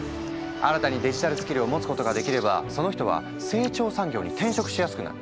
新たにデジタルスキルを持つことができればその人は成長産業に転職しやすくなる。